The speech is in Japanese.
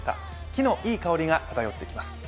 木のいい香りが漂ってきます。